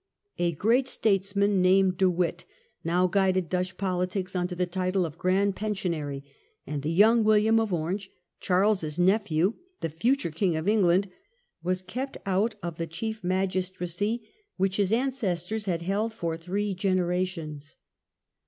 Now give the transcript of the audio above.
A great statesman, named de Witt, now guided Dutch politics, under the title of Grand Pensionary, and the young William of Orange, Charles's nephew, the future King of England, was kept out of the chief magistracy which his ancestors had held for three generations.